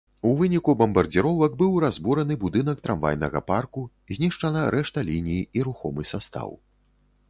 У выніку бамбардзіровак быў разбураны будынак трамвайнага парку, знішчана рэшта ліній і рухомы састаў.